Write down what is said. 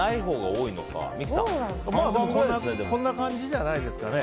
こんな感じじゃないですかね。